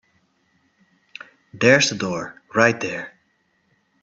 There's the door right there.